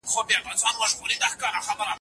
ټولنه له ډېر وخته پر اقتصادي ودي تمرکز کوي.